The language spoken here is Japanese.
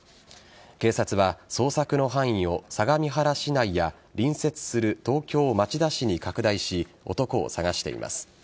警察は捜索の範囲を相模原市内や隣接する東京・町田市に拡大し男を捜しています。